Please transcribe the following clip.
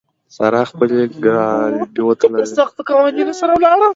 سارا خپلې ګرالبې وتړلې.